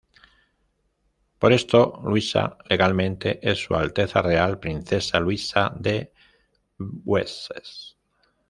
Por esto, Luisa legalmente es Su Alteza Real Princesa Luisa de Wessex.